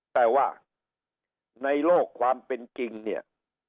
แต่ว่าในโลกความเป็นจริงเนี่ย